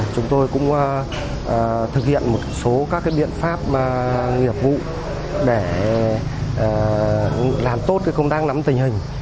chúng tôi cũng thực hiện một số các biện pháp nghiệp vụ để làm tốt công tác nắm tình hình